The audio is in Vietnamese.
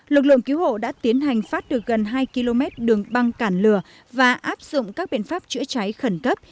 lực lượng cứu hộ đã tiến hành phát được gần hai km đường băng cản lửa và áp dụng các biện pháp chữa cháy khẩn cấp